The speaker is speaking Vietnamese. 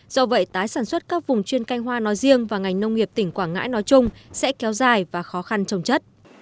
do vậy tái sản xuất các vùng chuyên canh hoa nói riêng và ngành nông nghiệp tỉnh quảng ngãi nói chung sẽ kéo dài và khó khăn trồng chất